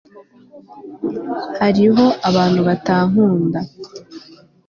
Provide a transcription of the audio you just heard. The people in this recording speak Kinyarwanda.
Hariho abantu batankunda